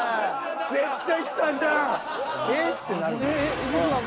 絶対下じゃん！